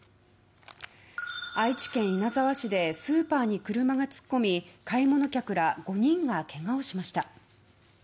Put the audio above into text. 愛知県稲沢市でスーパーに車が突っ込み買い物客ら５人がけがをしました。